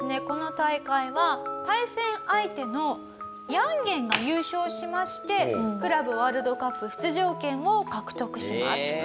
この大会は対戦相手のヤンゲンが優勝しましてクラブワールドカップ出場権を獲得します。